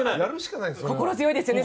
心強いですね